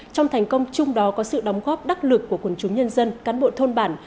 trong thành công chung đó có sự đóng góp đắc lực của quần chúng nhân dân cán bộ thôn bản